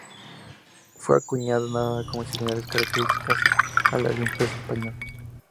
Fue acuñada con similares características a las de un peso español.